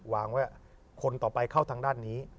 วางไว้คนต่อไปเข้าทางด้านนี้